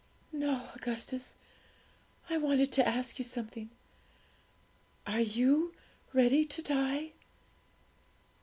'No, Augustus; I wanted to ask you something. Are you ready to die?'